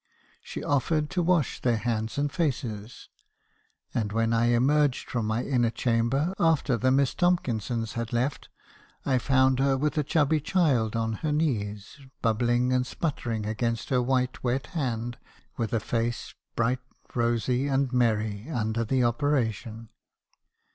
She offered to wash their hands and faces; and when I emerged from my inner chamber, after the Miss Tomkinsons had left, I found her with a chubby child on her knees, bubbling and sputtering against her white wet hand, with a face bright, rosy, and merry under the operation.